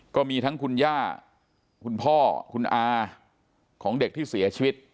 ก็มีทั้งคุณย่าคุณพ่อคุณอาของเด็กที่เสียชีวิต